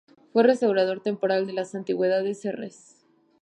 Fue restaurador temporal de las antigüedades Serres.